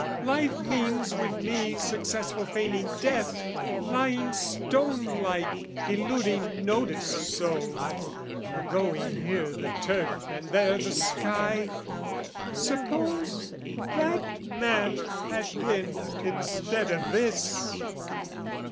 "Life means with me successful feigning death, "Lying stone like, eluding notice so, "Forgoing here the turf and there the sky. "Suppose that man had been instead of this!"